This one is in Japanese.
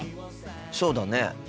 そうだね。